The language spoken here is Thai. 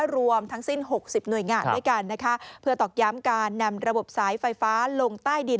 รวมทั้งสิ้น๖๐หน่วยงานด้วยกันนะคะเพื่อตอกย้ำการนำระบบสายไฟฟ้าลงใต้ดิน